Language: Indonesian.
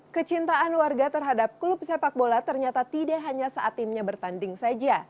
kecintaan warga terhadap klub sepak bola ternyata tidak hanya saat timnya bertanding saja